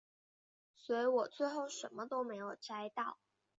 所以我最后什么都没有摘到